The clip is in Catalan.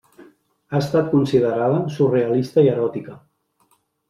Ha estat considerada surrealista i eròtica.